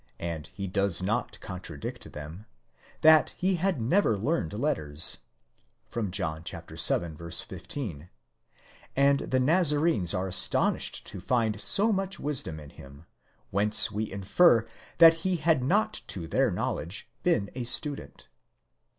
and he does not contradict them, that he had never learned letters : πῶς otros γράμματα οἷδε μὴ μεμαθηκὼς (John vil. 15) ; and the Nazarenes are astonished to find so much wisdom in him, whence we infer that he had not to their knowledge been a student.